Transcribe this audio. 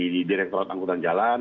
di direkturat angkutan jalan